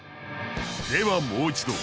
ではもう一度。